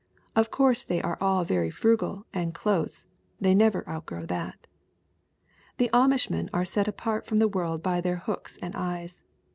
Of course they are all very frugal and 'close' they never outgrow that. "The Amishmen are set apart from the world by their hooks and eyes.